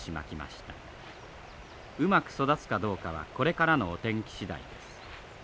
うまく育つかどうかはこれからのお天気次第です。